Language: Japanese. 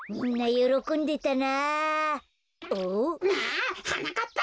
あはなかっぱ！